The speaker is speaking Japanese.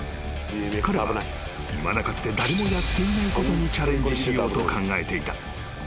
［彼はいまだかつて誰もやっていないことにチャレンジしようと考えていた］